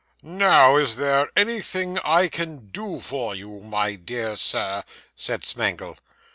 'Now is there anything I can do for you, my dear Sir?' said Smangle.